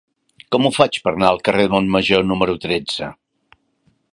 Com ho faig per anar al carrer de Montmajor número tretze?